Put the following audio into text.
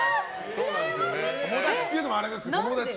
友達っていうのもあれですけど。